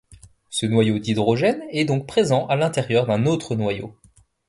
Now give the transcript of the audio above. Ce noyau d'hydrogène est donc présent à l'intérieur d'un autre noyau.